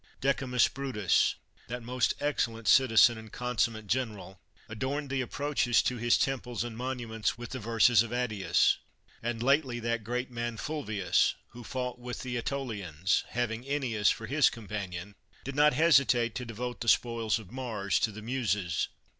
Decimus Brutus, that most excellent citizen and consummate general, adorned the approaches to his temples and monuments with the verses of Attius. And lately that great man Fulvius, who fought with the jiEtolians, having Ennius for his companion, did not hesitate to devote the spoils of Mars to the Muses.